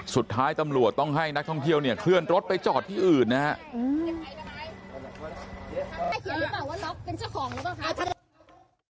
สุดท้ายตำรวจต้องให้นักท่องเที่ยวเนี่ยเคลื่อนรถไปจอดที่อื่นนะครับ